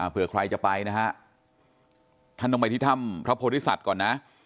เพื่อใครจะไปนะฮะท่านต้องไปที่ถ้ำพระโพธิสัตว์ก่อนนะ